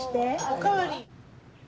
お代わり。